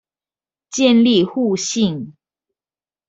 建立互信